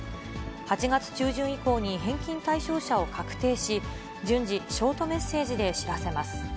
８月中旬以降に返金対象者を確定し、順次、ショートメッセージで知らせます。